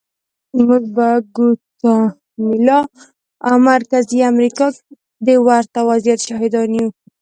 موږ په ګواتیمالا او مرکزي امریکا کې د ورته وضعیت شاهدان یو.